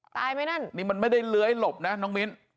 ไหมนั่นนี่มันไม่ได้เลื้อยหลบนะน้องมิ้น